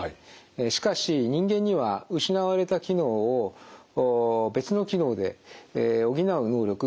しかし人間には失われた機能を別の機能で補う能力があります。